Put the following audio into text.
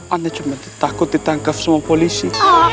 ada cuma takut ditangkap semua polisi